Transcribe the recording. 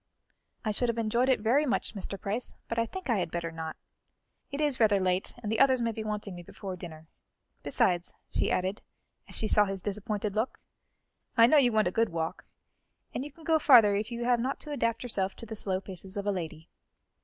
"I should have enjoyed it very much, Mr. Price, but I think I had better not; it is rather late, and the others may be wanting me before dinner. Besides," she added, as she saw his disappointed look, "I know you want a good walk, and you can go further if you have not to adapt yourself to the slow paces of a lady."